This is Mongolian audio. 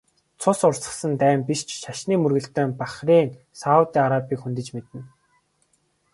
Цус урсгасан дайн биш ч шашны мөргөлдөөн Бахрейн, Саудын Арабыг хөндөж мэднэ.